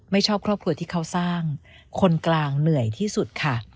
ไม่ชอบครอบครัวที่เขาสร้างคนกลางเหนื่อยที่สุดค่ะ